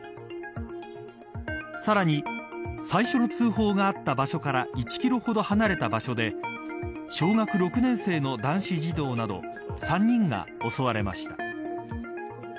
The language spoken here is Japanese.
さらに最初の通報があった場所から１キロほど離れた場所で小学６年生の男子児童など３人が襲われました。